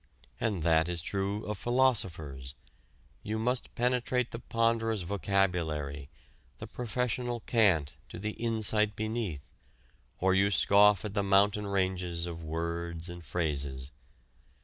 And that is true of philosophers. You must penetrate the ponderous vocabulary, the professional cant to the insight beneath or you scoff at the mountain ranges of words and phrases.